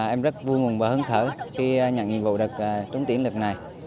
em rất vui mừng và hứng thở khi nhận nhiệm vụ được trúng tuyển lực này